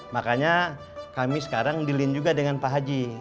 makanya kami sekarang dilin juga dengan pak haji